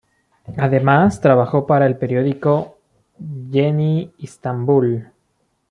Además, trabajó para el periódico "Yeni İstanbul".